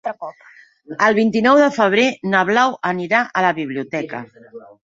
El vint-i-nou de febrer na Blau anirà a la biblioteca.